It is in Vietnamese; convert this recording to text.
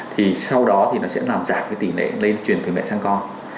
thì sau đó nó sẽ làm giảm tỷ lệ lây chuyển từ mẹ sang con